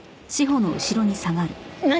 何？